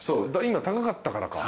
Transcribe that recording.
今高かったからか。